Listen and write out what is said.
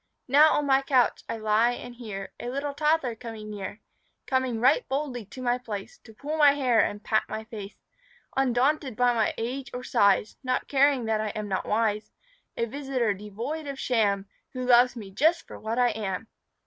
Now on my couch I lie and hear A little toddler coming near, Coming right boldly to my place To pull my hair and pat my face, Undaunted by my age or size, Nor caring that I am not wise A visitor devoid of sham Who loves me just for what I am.